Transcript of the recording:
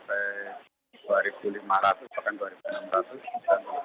kita sudah siapkan skenario pemerangkatan sama petugas